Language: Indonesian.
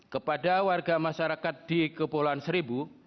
kepada warga masyarakat di kepulauan seribu